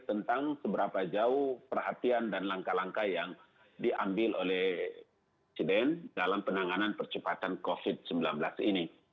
tentang seberapa jauh perhatian dan langkah langkah yang diambil oleh presiden dalam penanganan percepatan covid sembilan belas ini